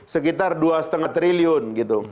sekitar dua lima triliun